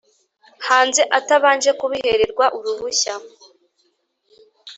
hanze atabanje kubihererwa uruhushya